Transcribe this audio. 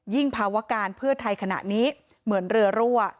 ภาวการเพื่อไทยขณะนี้เหมือนเรือรั่ว